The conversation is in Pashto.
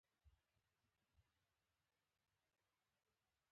د شعوري او بشري ژوند خوا ته متمایله وه.